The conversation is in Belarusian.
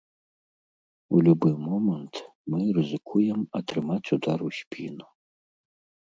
У любы момант мы рызыкуем атрымаць удар у спіну.